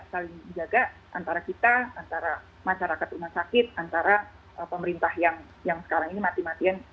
saling menjaga antara kita antara masyarakat rumah sakit antara pemerintah yang sekarang ini mati matian